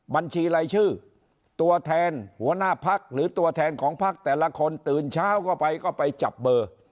บัญชีรายชื่อตัวแทนหัวหน้าพักหรือตัวแทนของพักแต่ละคนตื่นเช้าเข้าไปก็ไปจับเบอร์